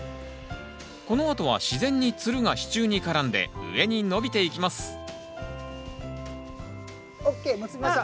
このあとは自然につるが支柱に絡んで上に伸びていきますＯＫ結びました。